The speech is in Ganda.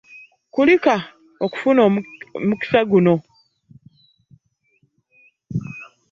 Kulika kufuna mukisa guno.